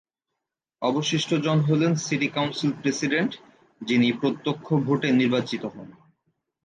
অবশিষ্ট জন হলেন সিটি কাউন্সিল প্রেসিডেন্ট, যিনি প্রত্যক্ষ ভোটে নির্বাচিত হন।